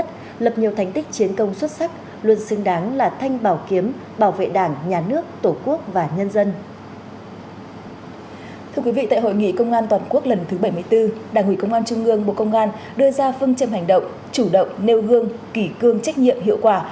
thưa quý vị tại hội nghị công an toàn quốc lần thứ bảy mươi bốn đảng ủy công an trung ương bộ công an đưa ra phương châm hành động chủ động nêu gương kỷ cương trách nhiệm hiệu quả